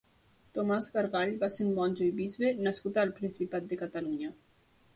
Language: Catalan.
Tomàs Gargall va ser un monjo i bisbe nascut a Principat de Catalunya.